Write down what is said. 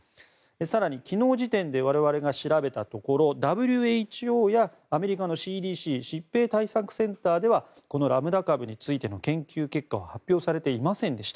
更に昨日時点で我々が調べたところＷＨＯやアメリカのＣＤＣ・疾病対策センターではこのラムダ株についての研究結果は発表されていませんでした。